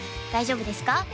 大丈夫ですか？